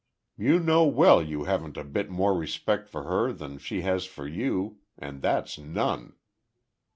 You know well you haven't a bit more respect for her than she has for you, and that's none.